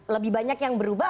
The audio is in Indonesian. lebih banyak yang berubah